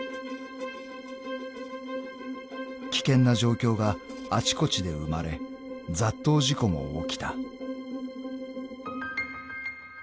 ［危険な状況があちこちで生まれ雑踏事故も起きた］